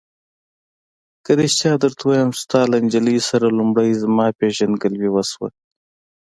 که رښتیا درته ووایم، ستا له نجلۍ سره لومړی زما پېژندګلوي وشوه.